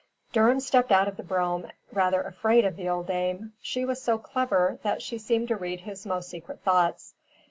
Durham stepped out of the brougham rather afraid of the old dame. She was so clever that she seemed to read his most secret thoughts.